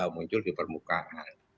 muncul di permukaan